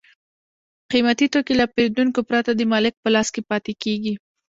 قیمتي توکي له پېرودونکو پرته د مالک په لاس کې پاتې کېږي